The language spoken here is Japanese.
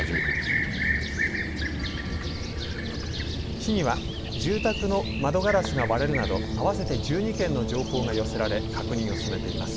市には住宅の窓ガラスが割れるなど合わせて１２件の情報が寄せられ確認を進めています。